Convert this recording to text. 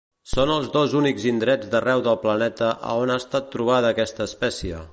Són els dos únics indrets d'arreu del planeta a on ha estat trobada aquesta espècie.